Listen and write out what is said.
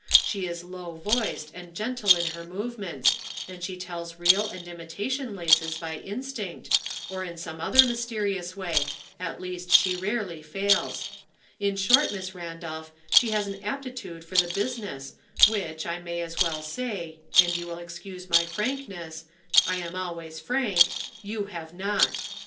She is low voiced, and gentle in her movements, and she tells real and imitation laces by instinct, or in some other mysterious way; at least she rarely fails. In short, Miss Ran dolph, she has an aptitude for the business which, I may as well say, and you will excuse my frankness — I am always frank — you have not.